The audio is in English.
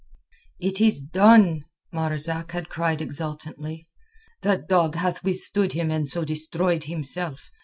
"It is done," Marzak had cried exultantly. "The dog hath withstood him and so destroyed himself.